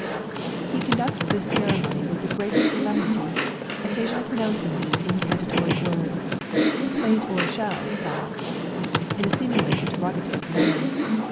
He conducts this ceremony with the greatest solemnity, occasionally pronouncing these incantatory words, "Plate or shell, sah?" in a seemingly interrogative manner.